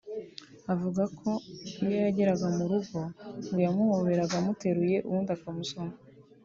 Avuga ko iyo yageraga mu rugo ngo yamuhoberaga amuteruye ubundi akamusoma